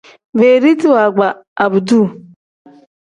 Beediti waagba abduu.